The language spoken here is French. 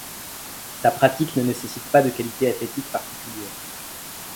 Sa pratique ne nécessite pas de qualités athlétiques particulières.